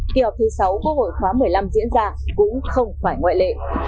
kỳ họp thứ sáu quốc hội khóa một mươi năm diễn ra cũng không phải ngoại lệ